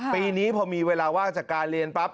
ปีนี้พอมีเวลาว่างจากการเรียนปั๊บ